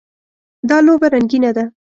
دا لوبه رنګینه ده.